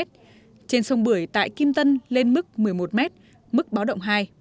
trên sông bưởi tại kim tân lên mức một mươi một m mức báo động hai